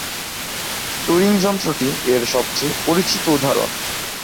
Turing যন্ত্রটি এর সবচেয়ে পরিচিত উদাহরণ।